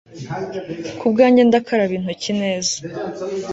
Kubwanjye ndakaraba intoki neza